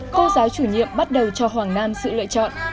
cô giáo chủ nhiệm bắt đầu cho hoàng nam sự lựa chọn